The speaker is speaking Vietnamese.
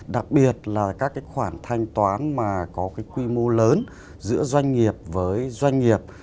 đặc biệt là các cái khoản thanh toán mà có cái quy mô lớn giữa doanh nghiệp với doanh nghiệp